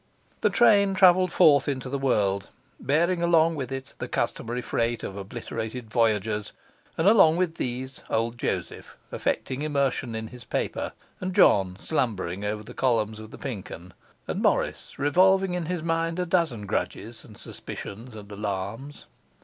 The train travelled forth into the world, bearing along with it the customary freight of obliterated voyagers, and along with these old Joseph, affecting immersion in his paper, and John slumbering over the columns of the Pink Un, and Morris revolving in his mind a dozen grudges, and suspicions, and alarms.